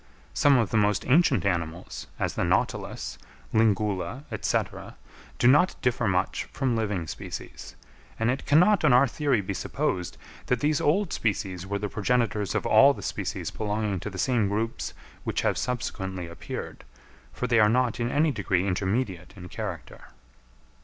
Some of the most ancient animals, as the Nautilus, Lingula, &c., do not differ much from living species; and it cannot on our theory be supposed, that these old species were the progenitors of all the species belonging to the same groups which have subsequently appeared, for they are not in any degree intermediate in character.